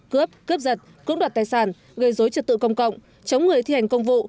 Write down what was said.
cướp cướp giật cướp đoạt tài sản gây dối trật tự công cộng chống người thi hành công vụ